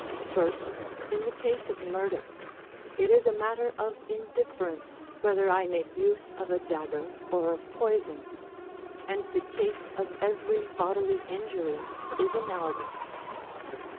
First, in the case of murder, it is a matter of indifference whether I make use of a dagger or of poison; and the case of every bodily injury is analogous.